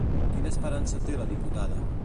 Quina esperança té la diputada?